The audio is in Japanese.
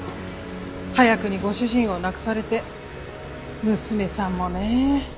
早くにご主人を亡くされて娘さんもね。